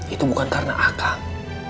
itu bukan karena akang